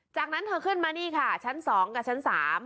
จากนั้นเธอขึ้นมานี่ค่ะชั้น๒กับชั้น๓